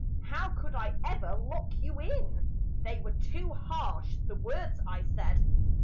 How could I ever lock you in? They were too harsh, the words I said.